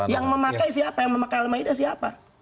yang memakai siapa yang memakai al ma'idah siapa